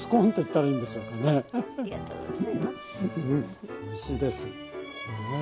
うんおいしいです。